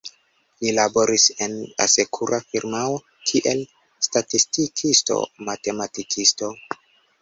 Li laboris en asekura firmao kiel statistikisto-matematikisto.